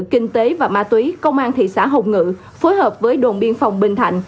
kinh tế và ma túy công an thị xã hồng ngự phối hợp với đồn biên phòng bình thạnh